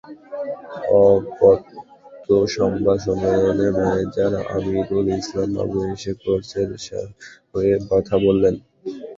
অগত্যা সংবাদ সম্মেলনে ম্যানেজার আমিরুল ইসলাম বাবু এসে কোচের হয়ে কথা বললেন।